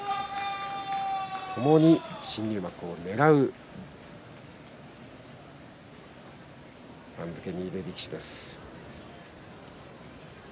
ともに新入幕をねらう番付にいる力士です。